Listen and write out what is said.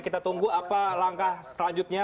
kita tunggu apa langkah selanjutnya